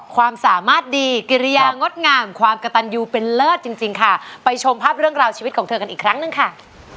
ความสามารถดีกิริยางดงามความกระตันยูเป็นเลิศจริงจริงค่ะไปชมภาพเรื่องราวชีวิตของเธอกันอีกครั้งหนึ่งค่ะ